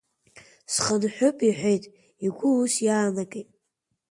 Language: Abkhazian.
Схынҳәып иҳәеит, игәы ус иаанагеит.